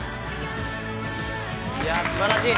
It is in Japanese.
いやすばらしい！